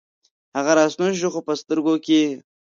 هغه راستون شو، خوپه سترګوکې یې